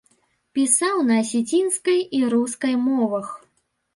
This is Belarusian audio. Пісаў на асецінскай і рускай мовах.